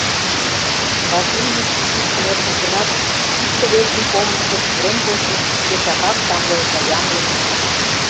Вашлиймышт йӱштын эртыш гынат, икте-весын помышкышт пурен вочмышт пешакак тамле да ямле лие.